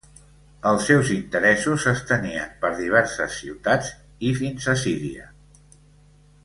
Els seus interessos s'estenien per diverses ciutats i fins a Síria.